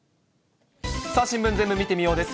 さあ、新聞ぜーんぶ見てみようです。